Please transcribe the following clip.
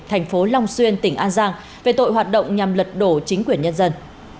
thành phố long xuyên tỉnh an giang về tội hoạt động nhằm lật đổ chính quyền nhân dân